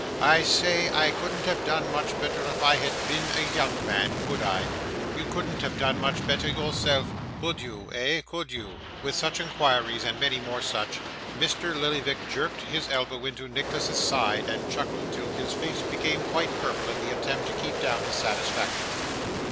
I say, I couldn't have done much better if I had been a young man, could I? You couldn't have done much better yourself, could you eh could you?' With such inquires, and many more such, Mr. Lillyvick jerked his elbow into Nicholas's side, and chuckled till his face became quite purple in the attempt to keep down his satisfaction.